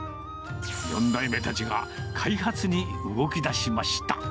４代目たちが開発に動きだしました。